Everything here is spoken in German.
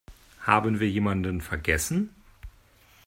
Haben wir jemanden vergessen?